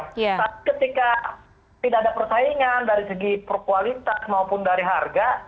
tapi ketika tidak ada persaingan dari segi kualitas maupun dari harga